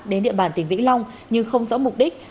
đến địa bàn tỉnh vĩnh long nhưng không rõ mục đích